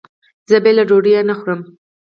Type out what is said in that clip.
زه بېله ډوډۍ نه خورم.